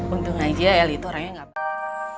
untung aja el itu orang yang gak